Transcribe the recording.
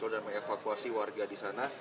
dan mengevakuasi warga di sana